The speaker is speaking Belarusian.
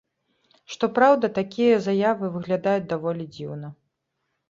Што праўда, такія заявы выглядаюць даволі дзіўна.